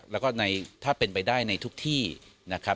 แล้วก็ถ้าเป็นไปได้ในทุกที่นะครับ